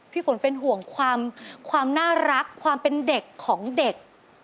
พี่ฝนเป็นห่วงความน่ารักความเป็นเด็กของเด็ก